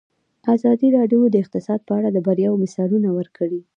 ازادي راډیو د اقتصاد په اړه د بریاوو مثالونه ورکړي.